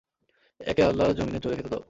একে আল্লাহর যমীনে চরে খেতে দাও।